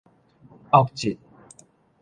惡質